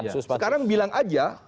sekarang bilang aja